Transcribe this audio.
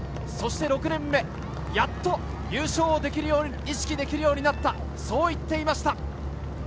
そして６年目、やっと優勝を意識できるようになったと話していました。